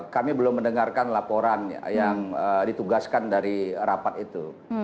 kami belum mendengarkan laporan yang ditugaskan dari rapat itu